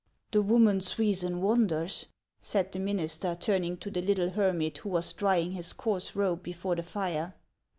" The woman's reason wanders," said the minister, turn ing to the little hermit, who was drying his coarse robe before the fire.